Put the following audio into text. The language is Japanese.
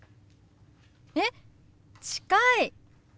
えっ近い！